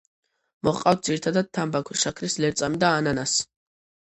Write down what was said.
მოჰყავთ ძირითადად თამბაქო, შაქრის ლერწამი და ანანასი.